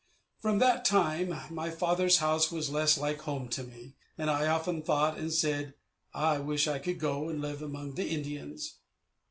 From that time, my father's house was less like home to me, and I often thought and said, "I wish I could go and live among the Indians."